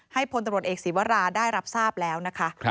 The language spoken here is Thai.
พลตำรวจเอกศีวราได้รับทราบแล้วนะคะ